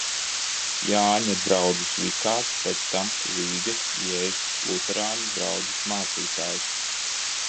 Jāņa draudzes vikārs, pēc tam Rīgas Jēzus luterāņu draudzes mācītājs.